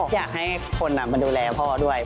อยากให้คนมาดูแลพ่อด้วย